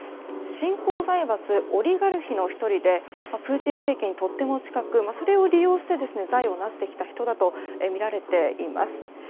新興財閥オリガルヒの１人でプーチン政権にとっても近くそれを利用して財を成してきた人だとみられています。